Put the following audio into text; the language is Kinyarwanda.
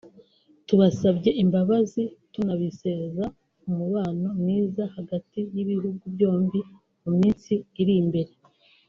tubasabye imbabazi tunabizeza umubano mwiza hagati y’ibihugu byombi mu minsi iri imbere